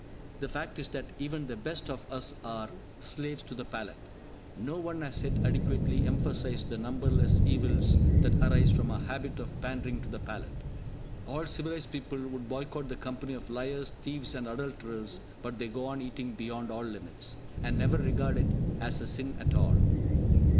The fact is that even the best of us are slaves to the palate. No one has yet adequately emphasised the numberless evils that arise from our habit of pandering to the palate. All civilised people would boycott the company of liars, thieves, and adulterers; but they go on eating beyond all limits, and never regard it as a sin at all.